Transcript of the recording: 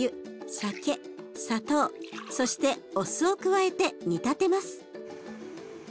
酒砂糖そしてお酢を加えて煮立てます。